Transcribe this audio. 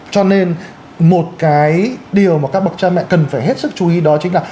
cho nên một cái điều mà các bậc cha mẹ cần phải hết sức chú ý đó chính là